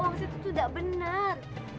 orang situ itu tidak benar